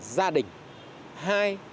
một gia đình